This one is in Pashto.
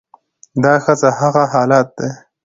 دا ښځه هغه حالت دى